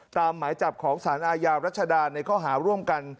หมายจับของสารอาญารัชดาในข้อหาร่วมกัน